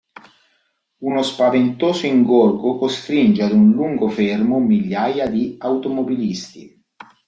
Uno spaventoso ingorgo costringe ad un lungo fermo migliaia di automobilisti.